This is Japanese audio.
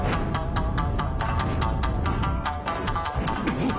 あっ！？